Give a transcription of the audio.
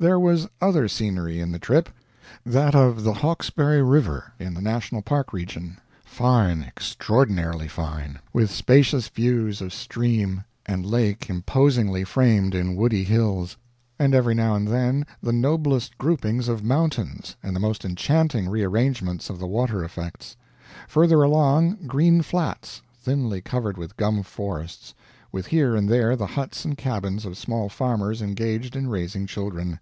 There was other scenery in the trip. That of the Hawksbury river, in the National Park region, fine extraordinarily fine, with spacious views of stream and lake imposingly framed in woody hills; and every now and then the noblest groupings of mountains, and the most enchanting rearrangements of the water effects. Further along, green flats, thinly covered with gum forests, with here and there the huts and cabins of small farmers engaged in raising children.